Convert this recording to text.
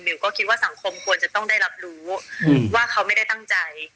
ก็คิดว่าสังคมควรจะต้องได้รับรู้ว่าเขาไม่ได้ตั้งใจ